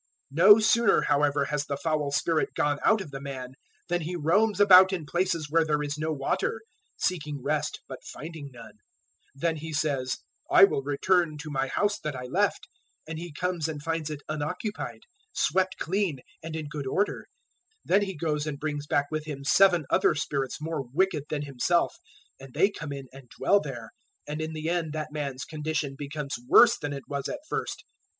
012:043 "No sooner however has the foul spirit gone out of the man, then he roams about in places where there is no water, seeking rest but finding none. 012:044 Then he says, `I will return to my house that I left;' and he comes and finds it unoccupied, swept clean, and in good order. 012:045 Then he goes and brings back with him seven other spirits more wicked than himself, and they come in and dwell there; and in the end that man's condition becomes worse than it was at first.